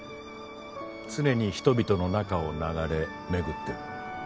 常に人々の中を流れ巡ってる。